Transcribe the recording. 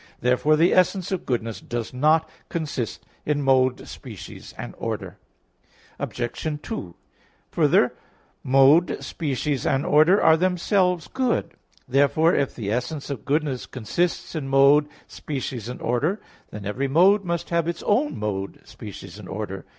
Therefore the essence of goodness does not consist in mode, species and order. Obj. 2: Further, mode, species and order are themselves good. Therefore if the essence of goodness consists in mode, species and order, then every mode must have its own mode, species and order.